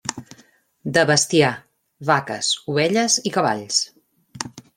De bestiar, vaques, ovelles i cavalls.